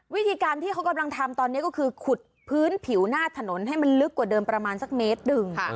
วิธีการที่เขากำลังทำตอนนี้ก็คือขุดพื้นผิวหน้าถนนให้มันลึกกว่าเดิมประมาณสักเมตรหนึ่ง